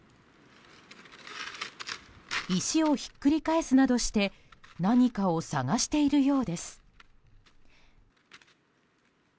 石をひっくり返すなどして何かを探しているようです。